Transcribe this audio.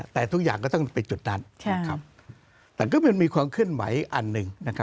แต่ทุกอย่างก็ต้องเป็นจุดดันใช่ครับแต่ก็มันมีความขึ้นไหวอันหนึ่งนะครับ